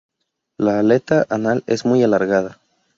La aleta anal es muy alargada.